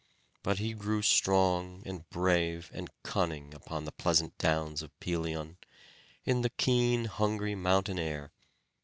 But he grew strong, and brave and cunning, upon the pleasant downs of Pelion, in the keen hungry mountain air.